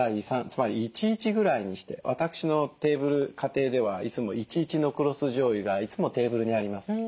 つまり１：１ぐらいにして私のテーブル家庭ではいつも１：１の黒酢じょうゆがいつもテーブルにあります。